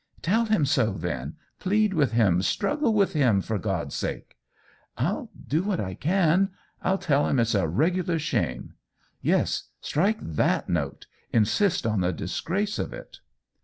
'*" Tell him so, then ; plead with him ; struggle with him— for God's sake !"" I'll do what I can — I'll tell him it's a regular shame." " Yes, strike that note — insist on the dis grace of it."